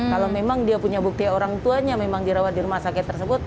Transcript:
kalau memang dia punya bukti orang tuanya memang dirawat di rumah sakit tersebut